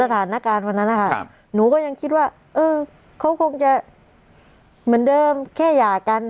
สถานการณ์วันนั้นนะคะหนูก็ยังคิดว่าเออเขาคงจะเหมือนเดิมแค่หย่ากัน